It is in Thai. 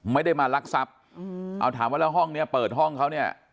ไม่ได้มารักทรัพย์เอาถามว่าแล้วห้องเนี้ยเปิดห้องเขาเนี่ย